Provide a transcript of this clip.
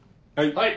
はい。